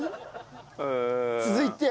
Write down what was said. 続いて？